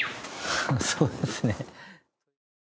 そうですね。